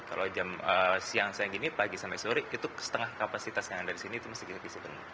kalau jam siang siang gini pagi sampai sore itu setengah kapasitas yang ada disini itu masih bisa bisa